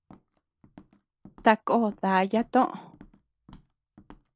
Takó daya toʼö.